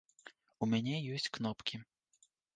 У мяне ёсць кнопкі.